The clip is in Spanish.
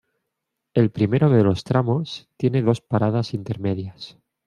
El primero de los tramos tiene dos paradas intermedias.